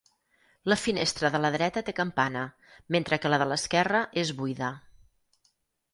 La finestra de la dreta té campana mentre que la de l'esquerra és buida.